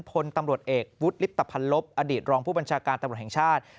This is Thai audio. พลตำรวจเอกวุฒิลิปตภัณลบอดีตรองผู้บัญชาการตำรวจแห่งชาติ